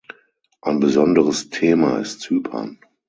Ein besonderes Thema ist Zypern.